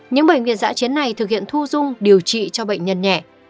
những bệnh viện giã chiến này thực hiện thu dung điều trị cho bệnh nhân nhẹ